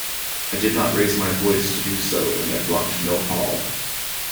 I did not raise my voice to do so and I blocked no hall.